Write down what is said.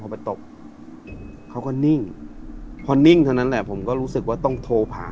พอไปตบเขาก็นิ่งพอนิ่งเท่านั้นแหละผมก็รู้สึกว่าต้องโทรผ่า